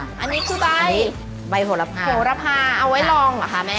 อันนี้คือใบใบโหระพาโหระพาเอาไว้ลองเหรอคะแม่